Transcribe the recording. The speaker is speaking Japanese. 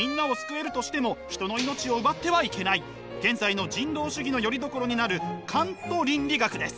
だからたとえ現在の人道主義のよりどころになるカント倫理学です。